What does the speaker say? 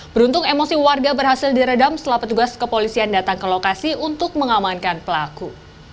beruntung emosi warga berhasil diredam setelah petugas kepolisian datang ke lokasi untuk mengamankan pelaku